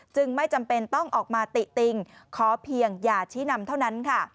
ไม่จำเป็นต้องออกมาติติงขอเพียงอย่าชี้นำเท่านั้นค่ะ